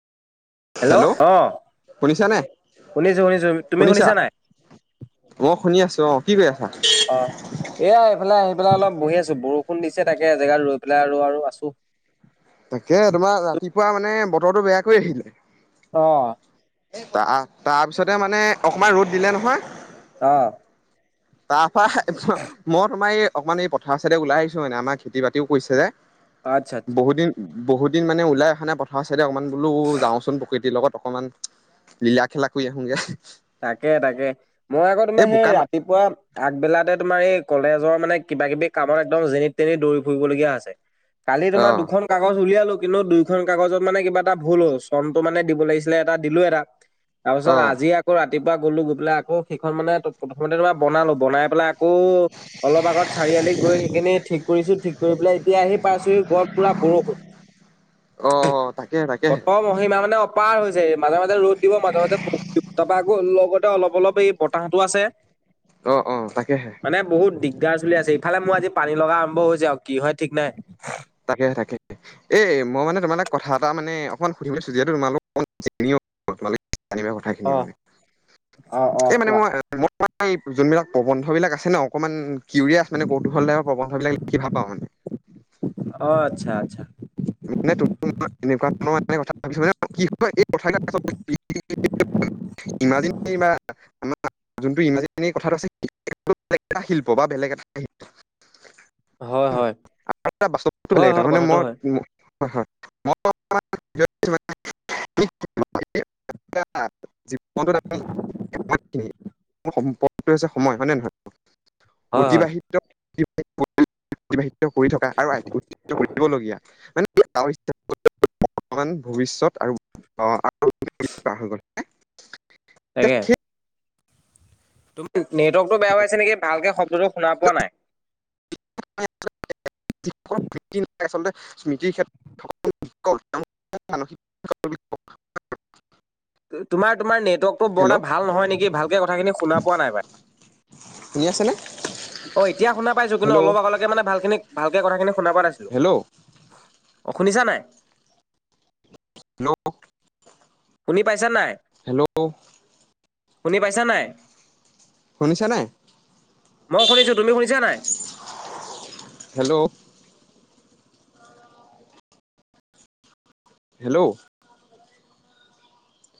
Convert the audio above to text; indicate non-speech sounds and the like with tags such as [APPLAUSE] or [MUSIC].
Hello অ শুনিছানে? শুনিছো শুনিছো তুমি শুনিছা নাই অ শুনি আছো অ কি কৰি আছো অ এয়া আহিফালে আহি পেলাই অলপ বহি আছো বৰষ ষন দিছে তাকে এ জেগাত ৰৈ পেলাই আৰু আৰু আছো তাকে তোমাৰ ৰাতিপুৱা মানে বতৰটো বেয়া কৰি আহিলে অ আ তাৰপিছতে মানে অকমান ৰ'দ দিলে নহয় অঁ তাৰপা মই তোমাৰ এই অকণমান এই পথাৰচাইডে ওলাই আহিছো মানে আমাৰ খেতি-বাতিও কৰিছে যে। আচ্ছা আচ্ছা বহুত দিন বহুত দিন মানে ওলাই অহা নাই পথাৰৰ চাইডে অকণমান বোলো যাওঁচোন প্ৰকৃতিৰ লগত অকণমান লীলা খেলাাক আহখোনগে তাকে তাকে মই আকৌ এই তোমাৰ সেই বোকা না ৰাতিপুৱা আগবেলাতে তোমাৰ এই কলেজৰ মানে কিবা কিবি কামত একদম যেনিত তেনি দৌৰি ফুৰিবলগীয়া আছে কালি তোমাৰ অ', দুখন কাগজ উলিয়ালো কিন্তু দুইখন কাগজত মানে কিবা এটা ভুল হ' চনটো মানে দিব লাগিছিলে এটা দিলো এটা তাৰপিছত অ', আজি আকৌ ৰাতিপুৱা গলো গৈ পেলাই আকৌ সেইখন মানে প্ৰথমতে তোমাৰ বনালো বনাই পেলাই ক অলপ আগত চাৰিআলি গৈ সেইখিনি ঠিক কৰিছো ঠিক কৰি পেলাই এতিয়া সি পাৰছ গৰত পুৰা বৰষুণ অ', তাকে তাকেহে অত মহিমা মানে পাৰ হৈছে মাজে মাজে ৰ'দ দিব মাজে মাজতে বহুিব তাৰপৰা আকৌ লগতে অলপ অলপ এই বতাহতো আছে অ অ তাকেহে দি গাৰ চলি আছে ইফালে মোৰ আজি পানী লগা আৰম্ভ হৈছে আৰু কি হয় ঠিক নাই তাকেহে তাকে এ মই মানে তোমালাক কথা এটা মানে অকমান সুধিম চুজিয়াতো তোমালোক কথাখেনি অ মানে অ অ এই মানে কোৱা। মই তমাৰ যোনবিলাক প্ৰবন্ধ বিিলাক আছে ন অকণমান কিউৰিয়াছ মানে কৌতুহল াইৰ প্ৰবন্ধ বিিলাকি ভ পা মানে [UNINTELLIGIBLE] অ আচ্ছা আচ্ছা মানে তম এনেকুৱা ধৰণৰছ মানে কি ইমাজিনে বা আমাৰ যোনটো ইমাজিনে কথাটো আছে বেলেগ এটা শিল্প বা বেলেগ এটা শিল্প হয় হয় আৰু এটা [UNINTELLIGIBLE] হয় এটা হয় মানে কথাটো মই হয় হয় হয়। [UNINTELLIGIBLE] [INAUDIBLE] সম্পদটো হৈছে সময়, হয়নে নহয়? হয় হয় অতিবাহিত। [UNINTELLIGIBLE] কৰি থকা আৰু [UNINTELLIGIBLE] কৰিবলগীয়া মানে। [UNINTELLIGIBLE] বৰ্তমান ভৱিষ্যত আৰু। [UNINTELLIGIBLE] তাকেহে। তোমাৰ নেটৱৰ্কতটো বেয়া হৈ আছে নেকি, ভালকে শব্দটো শুনা পোৱা নাই। [UNINTELLIGIBLE] আচলতে স্মৃতিৰ ক্ষেত। [INAUDIBLE] তোমাৰ তোমাৰ নেত টো বৰ এটা হেল্ল' ভাল নহয় নেকি? ভালকে কথাখিনি শুনা পোৱা নাই পাই। শুনি আছেনে অ', এতিয়া শুনা পাইছো, কিন্তু হেল্ল' অলপ আগলৈকে মানে ভাল খিনি ভালকে কথাখিনি শুনা পোৱা নাছিলো, হেল্ল' অ', শুনিছা নে নাই? ন। শুনি পাইছা নে নাই? হেল্ল'। শুনি পাইছা নে নাই? শুনিছা নাই মই শুনিছো, তুমি শুনিছা নে নাই? হেল্ল'। হেল্ল'।